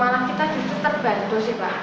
malah kita justru terbantu sih pak